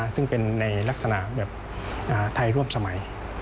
ซึ่งเป็นในลักษณะแบบไทยร่วมสมัย